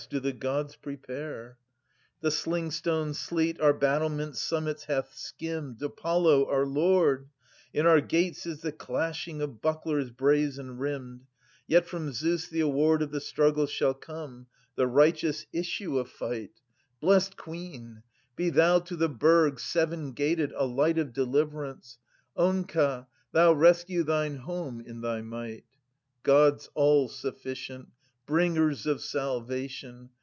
— do the Gods prepare ? {Ant. 2) The slingstone sleet our battlement summits hath skimmed, Apollo, our Lord ! In our gates is the clashing of bucklers brazen rimmed :— 160 Yet from Zeus the award Of the struggle shall come, the righteous issue of fight. THE SE VEN A GA INST THEBES. 1 1 Blest Queen, be thou to the burg seven gated a light Of deliverance — Onka, thou rescue thine home in thy might ! {Sir. 3) Gods all«su£Bcient, bringers of salvation.